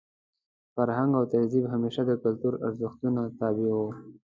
فرهنګ او تهذیب همېشه د کلتوري ارزښتونو تابع وو.